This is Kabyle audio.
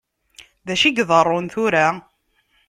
Dacu i iḍeṛṛun tura?